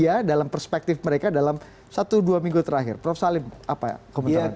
ya dalam perspektif mereka dalam satu dua minggu terakhir prof salim apa komentar anda